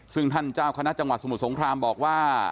ซึ่งท่านเจ้าคณะจังหวัดสมุทรสงครามบอกว่า